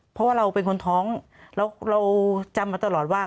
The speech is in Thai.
เพราะว่าเราเป็นคนท้องแล้วเราจำมาตลอดว่า